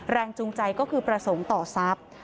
จูงใจก็คือประสงค์ต่อทรัพย์